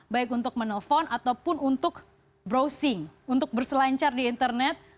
baik untuk menelpon ataupun untuk browsing untuk berselancar di internet